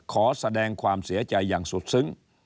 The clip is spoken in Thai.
ขอแสดงความเสียใจอย่างสุดซึ้ง